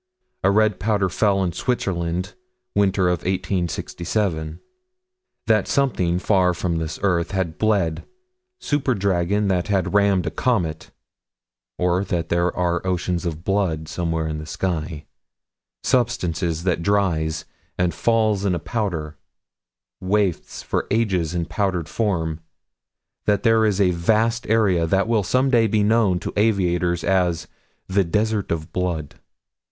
A red powder fell, in Switzerland, winter of 1867 (Pop. Sci. Rev., 10 112) That something, far from this earth, had bled super dragon that had rammed a comet Or that there are oceans of blood somewhere in the sky substance that dries, and falls in a powder wafts for ages in powdered form that there is a vast area that will some day be known to aviators as the Desert of Blood.